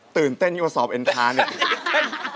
ตื่นเต้นอยู่ว่าสอบเอ็นทาเนี่ย